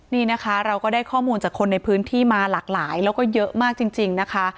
นี่นะคะเราก็ได้ข้อมูลจากคนในพื้นที่มาหลากหลายแล้วก็เยอะมากจริงนะคะ